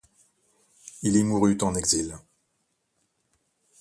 Il y mourut en exil.